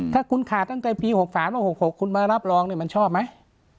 ถ้าคุณขาดตั้งแต่ปีหกสามหกหกหกคุณมารับรองนี่มันชอบไหม